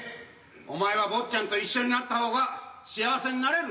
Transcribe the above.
お前は坊ちゃんと一緒になった方が幸せになれる。